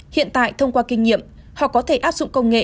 hiện tại thông qua kinh nghiệm họ có thể áp dụng công nghệ